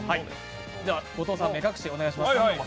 後藤さん、目隠しをお願いします。